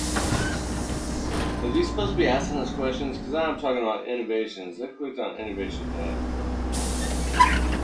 They did not prosecute most lynchings or paramilitary attacks against blacks.